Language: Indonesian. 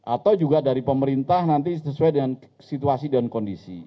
atau juga dari pemerintah nanti sesuai dengan situasi dan kondisi